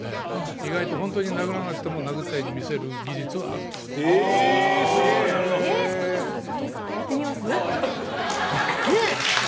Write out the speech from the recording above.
意外と、本当に殴らなくても殴ったように見せる技術はちょっと澤部さんやってみます？